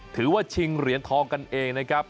ชิงเหรียญทองกันเองนะครับ